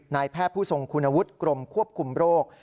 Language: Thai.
นายแพทย์ผู้ทรงคุณวุฒิกรมควบคุมโรค